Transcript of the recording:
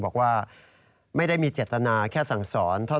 บอกว่าไม่ได้มีเจตนาแค่สั่งสอนเท่าไ